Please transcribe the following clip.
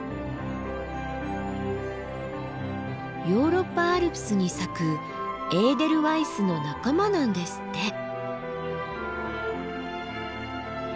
ヨーロッパアルプスに咲くエーデルワイスの仲間なんですって。